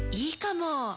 いいかも！